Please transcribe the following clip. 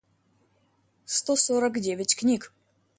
сто сорок девять книг